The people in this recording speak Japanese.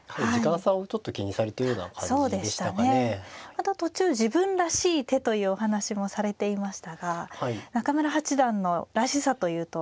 また途中自分らしい手というお話もされていましたが中村八段のらしさというとどういった将棋なんですか。